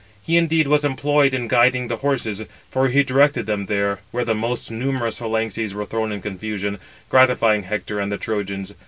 He indeed was employed in [guiding] the horses; for he directed them there, where the most numerous phalanxes were thrown in confusion, gratifying Hector and the Trojans.